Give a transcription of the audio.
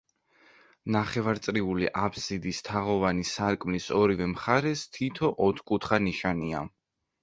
ნახევარწრიული აფსიდის თაღოვანი სარკმლის ორივე მხარეს თითო ოთხკუთხა ნიშია.